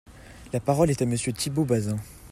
La parole est à Monsieur Thibault Bazin.